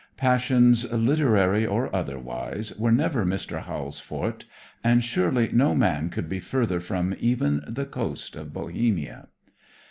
"Passions," literary or otherwise, were never Mr. Howells' forte and surely no man could be further from even the coast of Bohemia.